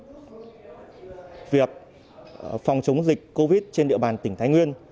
giải quyết việc phòng chống dịch covid trên địa bàn tỉnh thái nguyên